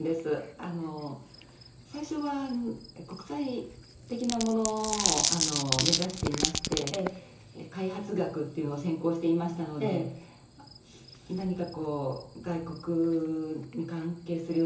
あの最初は国際的なものを目指していまして開発学っていうのを専攻していましたので何かこう外国に関係するような話を。